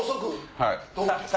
はい。